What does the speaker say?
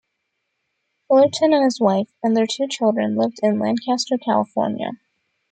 Fullerton and his wife and their two children lived in Lancaster, California.